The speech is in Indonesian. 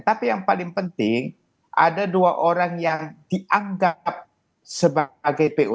tapi yang paling penting ada dua orang yang dianggap sebagai pu